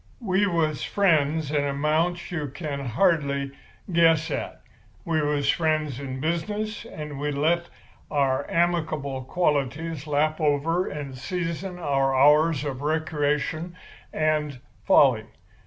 We was friends an amount you could hardly guess at. We was friends in business, and we let our amicable qualities lap over and season our hours of recreation and folly.